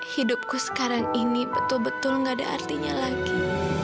hidupku sekarang ini betul betul gak ada artinya lagi